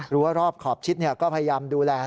หรือว่ารอบขอบชิดก็พยายามดูแล